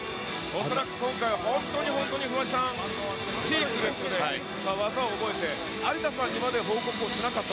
恐らく今回、本当に本当にフワちゃん、技を覚えて、有田さんにまで報告をしなかった。